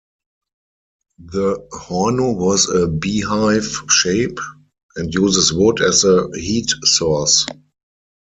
The horno has a beehive shape and uses wood as the heat source.